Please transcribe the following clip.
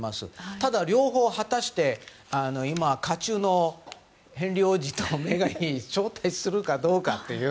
ただ、両方果たして今、渦中のヘンリー王子とメーガン妃を招待するかどうかという。